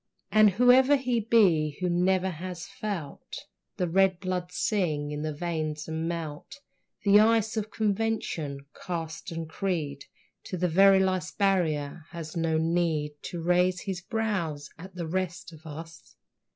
And whoever he be who never has felt The red blood sing in the veins and melt The ice of convention, caste and creed, To the very last barrier, has no need To raise his brows at the rest of us.